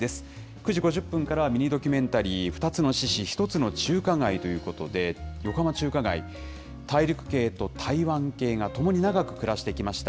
９時５０分からはミニドキュメンタリー、ふたつの獅子一つの中華街ということで、横浜中華街、大陸系と台湾系がともに長く暮らしてきました。